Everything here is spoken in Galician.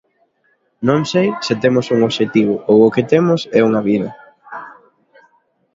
Non sei se temos un obxectivo ou o que temos é unha vida.